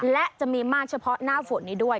และจะมีมากเฉพาะหน้าฝนนี้ด้วย